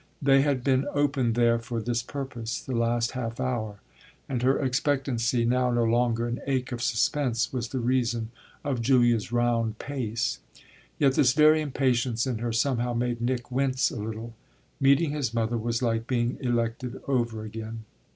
They had been open there for this purpose the last half hour, and her expectancy, now no longer an ache of suspense, was the reason of Julia's round pace. Yet this very impatience in her somehow made Nick wince a little. Meeting his mother was like being elected over again.